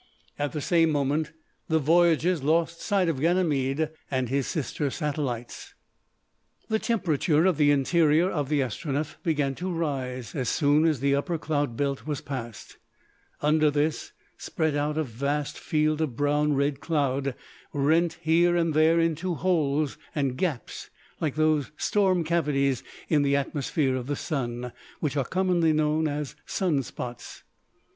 At the same moment the voyagers lost sight of Ganymede and his sister satellites. The temperature of the interior of the Astronef began to rise as soon as the upper cloud belt was passed. Under this, spread out a vast field of brown red cloud, rent here and there into holes and gaps like those storm cavities in the atmosphere of the Sun, which are commonly known as sun spots.